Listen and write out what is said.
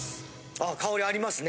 あ香りありますね。